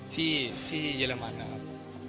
ที่เยอรมันนะครับ